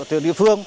từ địa phương